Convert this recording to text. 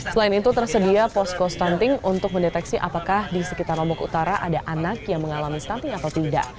selain itu tersedia posko stunting untuk mendeteksi apakah di sekitar lombok utara ada anak yang mengalami stunting atau tidak